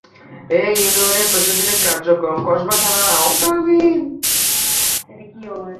এ ইউনিয়নের প্রশাসনিক কার্যক্রম কসবা থানার আওতাধীন।